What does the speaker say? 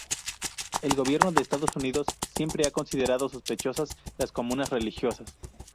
El gobierno de Estados Unidos siempre ha considerado sospechosas las comunas religiosas.